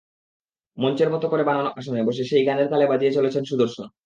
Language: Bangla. মঞ্চের মতো করে বানানো আসনে বসে সেই গানের তালে বাজিয়ে চলেছেন সুদর্শন।